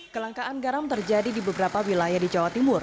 kelangkaan garam terjadi di beberapa wilayah di jawa timur